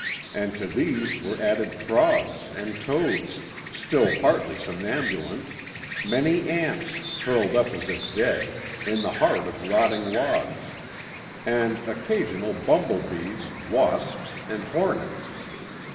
And to these were added frogs and toads, still partly somnambulent; many ants, curled up as if dead, in the heart of rotting logs; and occasional bumble bees, wasps, and hornets.